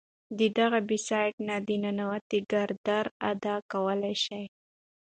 د دغه “Beast” نه د ننواتې کردار ادا کولے شي